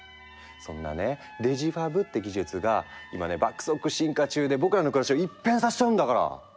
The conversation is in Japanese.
そんなねデジファブって技術が今ね爆速進化中で僕らの暮らしを一変させちゃうんだから！